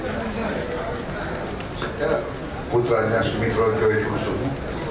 saya putranya sumitron p w kusumu